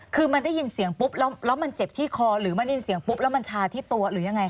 คือมันได้ยินเสียงปุ๊บแล้วมันเจ็บที่คอหรือมันได้ยินเสียงปุ๊บแล้วมันชาที่ตัวหรือยังไงค